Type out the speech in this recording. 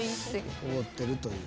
おごってるという。